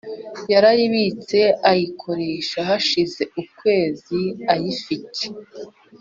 Yarayibitse ayikoresha hashize ukwezi ayifite.